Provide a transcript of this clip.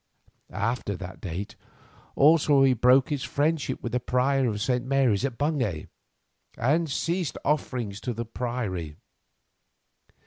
After that date also he broke his friendship with the prior of St. Mary's at Bungay, and ceased his offerings to the priory.